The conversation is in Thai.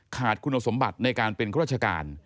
ขาดคุณสมบัติในการเป็นข้าราชการ